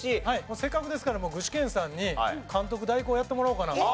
せっかくですからもう具志堅さんに監督代行やってもらおうかな。